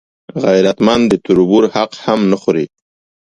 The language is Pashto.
غیرتمند د تربور حق هم نه خوړوي